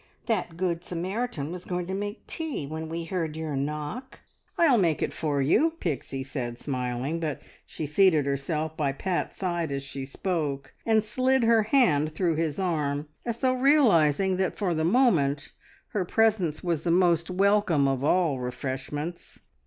That good Samaritan was going to make tea when we heard your knock." "I'll make it for you!" Pixie said smiling, but she seated herself by Pat's side as she spoke, and slid her hand through his arm, as though realising that for the moment her presence was the most welcome of all refreshments.